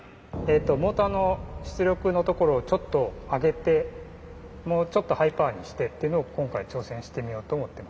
モーターの出力のところをちょっと上げてもうちょっとハイパワーにしてってのを今回挑戦してみようと思っています。